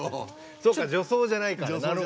そっか女装じゃないから。